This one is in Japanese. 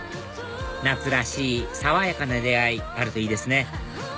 夏らしい爽やかな出会いあるといいですね